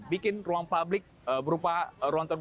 bikin ruang publik berupa ruang terbuka